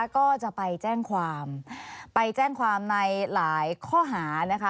ก็จะไปแจ้งความไปแจ้งความในหลายข้อหานะคะ